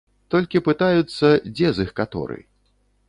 Толькі пытаюцца, дзе з іх каторы.